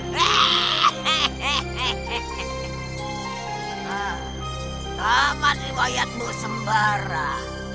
tamat riwayatmu sembarang